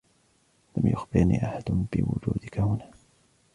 لم يخبرني أحد بوجودك هنا.